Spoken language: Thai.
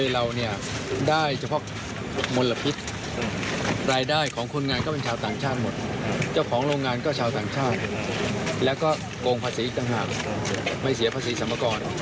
แล้วก็โกงภาษีต่างหากไม่เสียภาษีสรรพากร